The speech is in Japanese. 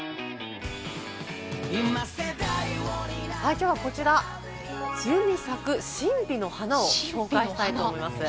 きょうはこちら、梅雨に咲く神秘の花を紹介したいと思います。